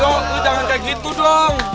dok jangan kayak gitu dong